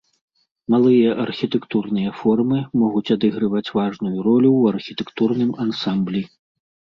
Малыя архітэктурныя формы могуць адыгрываць важную ролю ў архітэктурным ансамблі.